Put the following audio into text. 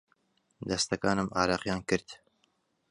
دەستەکانم ئارەقیان کرد.